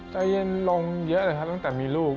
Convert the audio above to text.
ใจเย็นลงเยอะเลยครับตั้งแต่มีลูก